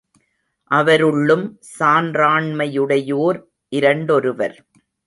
அவருள்ளும் சான்றாண்மையுடையோர் இரண்டொருவர்.